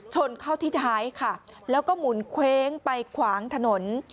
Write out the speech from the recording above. ชนเข้าที่ท้ายค่ะแล้วก็หมุนเคว้งไปขวางถนน